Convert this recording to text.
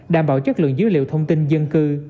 đảm bảo chất lượng dữ liệu thông tin dân cư